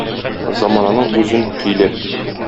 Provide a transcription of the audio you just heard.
Замананың үзен, көйләп.